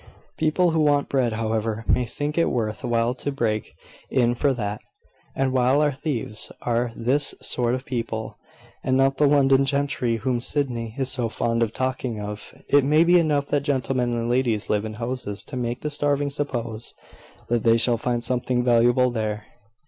"People who want bread, however, may think it worth while to break in for that: and while our thieves are this sort of people, and not the London gentry whom Sydney is so fond of talking of, it may be enough that gentlemen and ladies live in houses to make the starving suppose that they shall find something valuable there."